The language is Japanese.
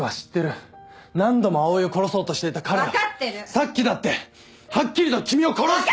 さっきだってはっきりと君を殺すと。